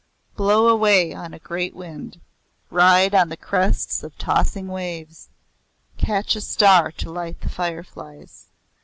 "Blow away on a great wind. Ride on the crests of tossing waves. Catch a star to light the fireflies!"